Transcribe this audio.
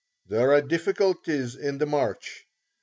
There are difficulties in the march.